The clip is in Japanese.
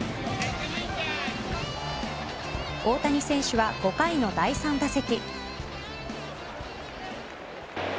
大谷選手は５回の第３打席。